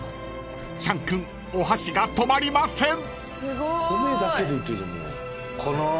［チャン君お箸が止まりません］